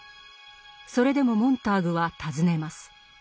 それでもモンターグは尋ねます。